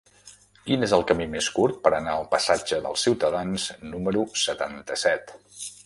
Quin és el camí més curt per anar al passatge dels Ciutadans número setanta-set?